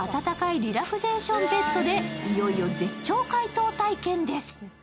リラクゼーションベッドでいよいよ絶頂解凍体験です。